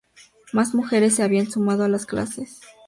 Más mujeres se habían sumado a las clases.